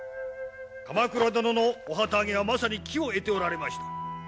鎌倉殿のお旗揚げはまさに機を得ておられました。